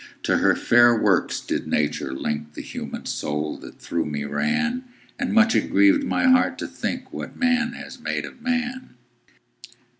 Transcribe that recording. To her fair works did Nature link The human soul that through me ran; And much it grieved my heart to think What man has made of man.